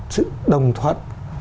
sự đồng thuận